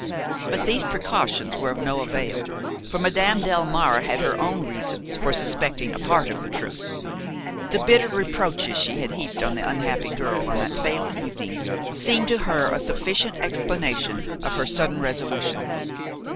But these precautions were of no avail, for Madame Delmare had her own reasons for suspecting a part of the truth; the bitter reproaches she had heaped on the unhappy girl on that fatal evening seemed to her a sufficient explanation of her sudden resolution.